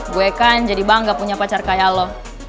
gue kan jadi bangga punya pacar kayak lo